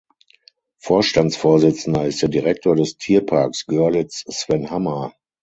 Vorstandsvorsitzender ist der Direktor des Tierparks Görlitz Sven Hammer.